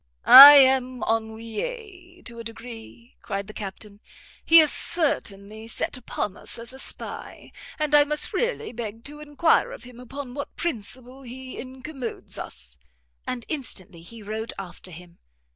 "I am ennuyé to a degree," cried the Captain; "he is certainly set upon us as a spy, and I must really beg leave to enquire of him upon what principle he incommodes us." And instantly he rode after him.